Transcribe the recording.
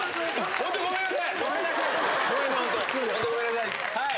本当にごめんなさい。